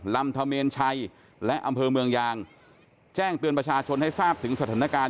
ธเมนชัยและอำเภอเมืองยางแจ้งเตือนประชาชนให้ทราบถึงสถานการณ์